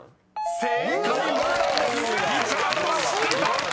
［リチャードは知っていた！］